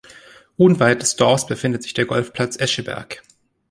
Unweit des Dorfs befindet sich der Golfplatz Escheberg.